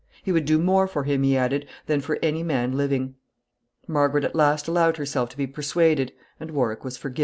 He would do more for him, he added, than for any man living. Margaret at last allowed herself to be persuaded, and Warwick was forgiven.